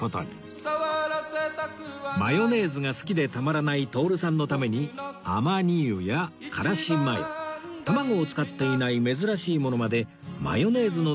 マヨネーズが好きでたまらない徹さんのためにアマニ油やからしマヨ卵を使っていない珍しいものまでマヨネーズの仲間たち